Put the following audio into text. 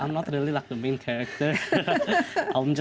saya bukan karakter utama